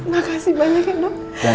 makasih banyak ya dok